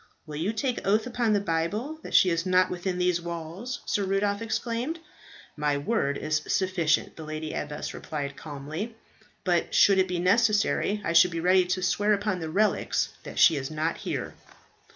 "Will you take oath upon the Bible that she is not within these walls?" Sir Rudolph exclaimed. "My word is sufficient," the lady abbess replied calmly. "But should it be necessary, I should be ready to swear upon the relics that she is not here."